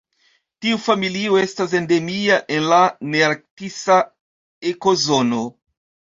Tiu familio estas endemia en la nearktisa ekozono.